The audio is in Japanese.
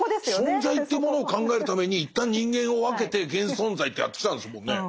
存在ってものを考えるために一旦人間を分けて現存在ってやってきたんですもんね？